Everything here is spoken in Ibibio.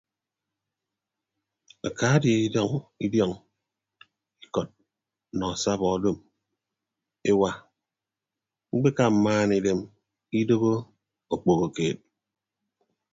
Aka die idiọñ ikọt nọ asabọ odom ewa ñkpekpa mmana idem idooho okpoho keed.